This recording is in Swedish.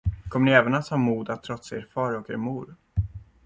Kommer ni även att ha mod att trotsa er far och er mor?